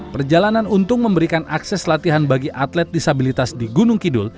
perjalanan untung memberikan akses latihan bagi atlet disabilitas di gunung kidul